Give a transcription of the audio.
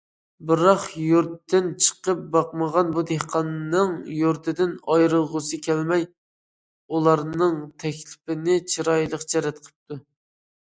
بىراق يۇرتىدىن چىقىپ باقمىغان بۇ دېھقاننىڭ يۇرتىدىن ئايرىلغۇسى كەلمەي، ئۇلارنىڭ تەكلىپىنى چىرايلىقچە رەت قىپتۇ.